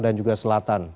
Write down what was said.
dan juga selatan